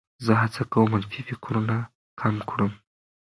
زه هڅه کوم منفي فکرونه کم کړم.